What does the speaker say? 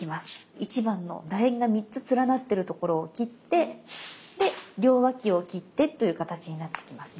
１番のだ円が３つ連なってるところを切ってで両脇を切ってという形になってきますね。